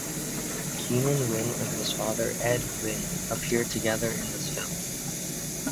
Keenan Wynn and his father Ed Wynn appear together in this film.